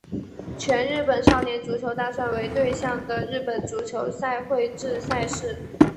全日本少年足球大赛为对象的日本足球赛会制赛事。